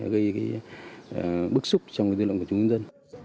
gây bức xúc trong dư luận của chúng dân